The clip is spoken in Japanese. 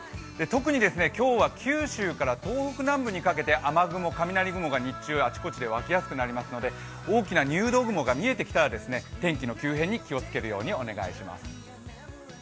特に、今日は九州から東北南部にかけて雨雲、雷雲が日中あちこちで湧きやすくなりますので、大きな入道雲が見えてきたら天気の急変に気をつけるようにお願いします。